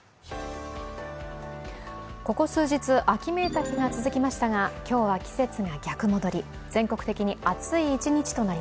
ここ数日、秋めいた日が続きましたが今日は季節が逆戻り。